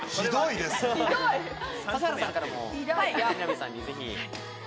指原さんからもみなみさんに、ぜひ。